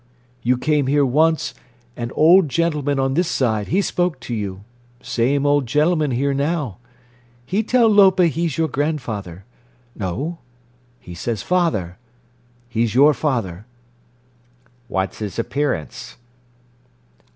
You came here once and old gentleman on this side, he spoke to you. Same old gentleman here now. He tell Lopa he's your grandfather—no, he says 'father.' He's your father." "What's his appearance?"